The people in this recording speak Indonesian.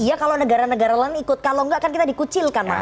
iya kalau negara negara lain ikut kalau enggak kan kita dikucilkan mas